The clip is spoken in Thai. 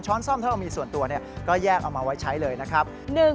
ซ่อมถ้าเรามีส่วนตัวก็แยกเอามาไว้ใช้เลยนะครับ